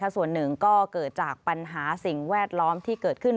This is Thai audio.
ส่วนหนึ่งก็เกิดจากปัญหาสิ่งแวดล้อมที่เกิดขึ้น